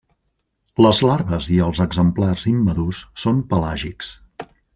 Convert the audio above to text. Les larves i els exemplars immadurs són pelàgics.